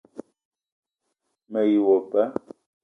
Me ye wo ba